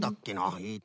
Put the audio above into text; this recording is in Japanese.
えっと。